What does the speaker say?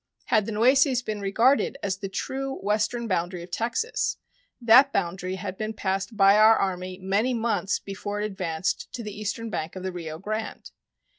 Had the Nueces been regarded as the true western boundary of Texas, that boundary had been passed by our Army many months before it advanced to the eastern bank of the Rio Grande.